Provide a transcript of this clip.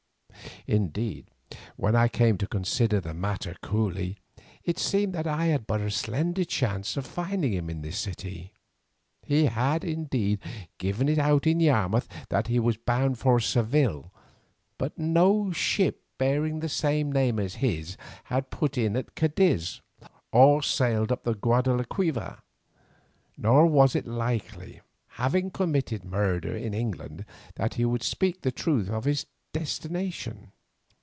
Indeed, when I came to consider the matter coolly it seemed that I had but a slender chance of finding him in this city. He had, indeed, given it out in Yarmouth that he was bound for Seville, but no ship bearing the same name as his had put in at Cadiz or sailed up the Guadalquivir, nor was it likely, having committed murder in England, that he would speak the truth as to his destination.